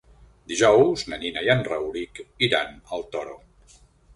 Dijous na Nina i en Rauric iran al Toro.